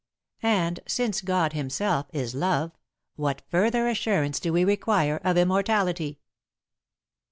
And, since God himself is Love, what further assurance do we require of immortality?